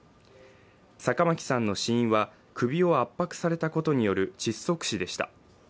坂巻さんの死因は首を圧迫されたことによる窒息死でした。